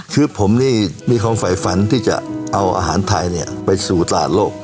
คือผมนี่มีความฝ่ายฝันที่จะเอาอาหารไทยไปสู่ตลาดโลก